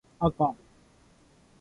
あか